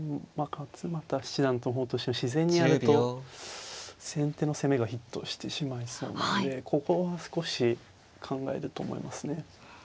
勝又七段の方としては自然にやると先手の攻めがヒットしてしまいそうなのでここは少し考えると思いますね。